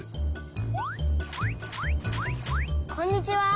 こんにちは。